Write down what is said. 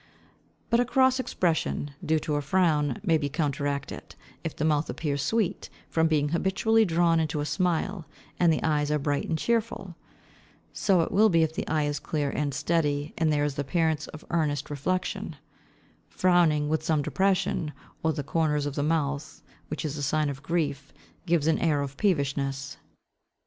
But a cross expression, due to a frown, may be counteracted, if the mouth appears sweet, from being habitually drawn into a smile, and the eyes are bright and cheerful. So it will be if the eye is clear and steady, and there is the appearance of earnest reflection. Frowning, with some depression of the corners of the mouth, which is a sign of grief, gives an air of peevishness.